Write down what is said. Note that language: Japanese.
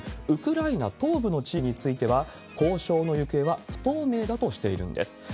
ウクライナ東部の地域については、交渉の行方は不透明だとしているんです。